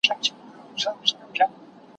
پر مردارو وي راټول پر لویو لارو